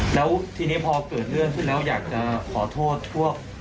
แล้วทีนี้พอเกิดเรื่องขึ้นแล้วอยากจะขอโทษพวก